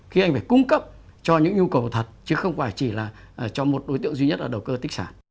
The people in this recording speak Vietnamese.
khi anh phải cung cấp cho những nhu cầu thật chứ không phải chỉ là cho một đối tượng duy nhất là đầu cơ tích sản